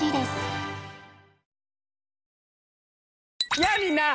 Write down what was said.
やあみんな！